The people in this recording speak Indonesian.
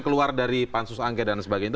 keluar dari pansus anggedan dan sebagainya itu